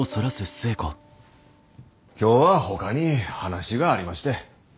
今日はほかに話がありまして。